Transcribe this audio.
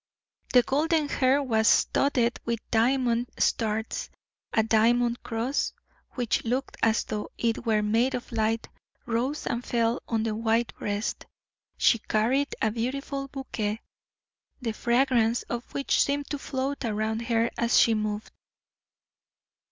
The golden hair was studded with diamond stars; a diamond cross, which looked as though it were made of light, rose and fell on the white breast. She carried a beautiful bouquet, the fragrance of which seemed to float around her as she moved.